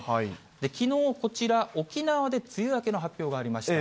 きのう、こちら、沖縄で梅雨明けの発表がありました。